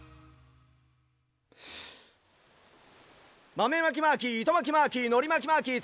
まめまきマーキーいとまきマーキーのりまきマーキー